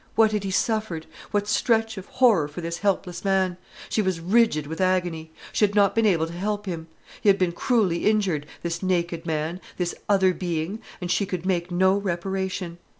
What had he suffered? What stretch of horror for this helpless man! She was rigid with agony. She had not been able to help him. He had been cruelly injured, this naked man, this other being, and she could make no reparation.